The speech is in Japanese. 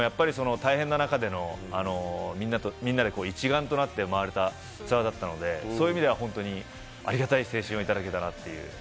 でも、みんなで一丸となって回れたツアーだったので、そういう意味ではありがたい青春をいただけたなと。